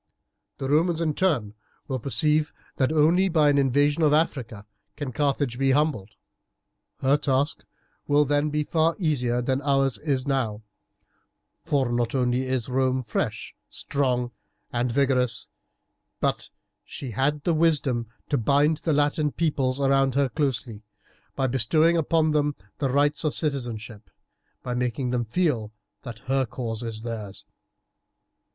The Romans in turn will perceive that only by an invasion of Africa can Carthage be humbled. Her task will then be far easier than ours is now, for not only is Rome fresh, strong, and vigourous, but she has had the wisdom to bind the Latin peoples around her closely to her by bestowing upon them the rights of citizenship, by making them feel that her cause is theirs.